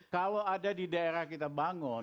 kalau ada di daerah kita bangun